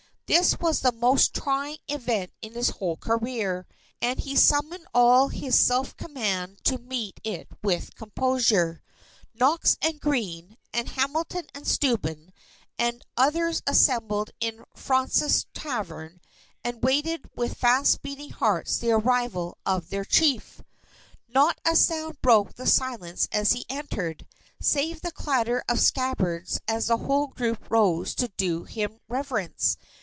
This was the most trying event in his whole career, and he summoned all his self command to meet it with composure. Knox and Greene, and Hamilton and Steuben, and others assembled in Fraunces Tavern, and waited with fast beating hearts the arrival of their Chief. Not a sound broke the silence as he entered, save the clatter of scabbards as the whole group rose to do him reverence.